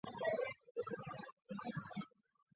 鹬虻科是分类在短角亚目下的虻下目中。